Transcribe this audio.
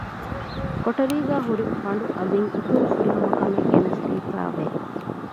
ކޮޓަރީގައި ހުރި ފަނޑު އަލިން އިތުރު ފުރިހަމަކަމެއް ގެނެސްދީފައި ވެ